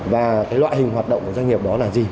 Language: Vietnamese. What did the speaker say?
và cái loại hình hoạt động của doanh nghiệp đó là gì